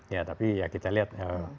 ya tapi ya kita lihat